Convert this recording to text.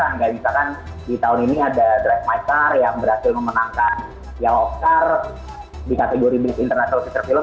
anggap misalkan di tahun ini ada drive my car yang berhasil memenangkan yellow car di kategori best international feature film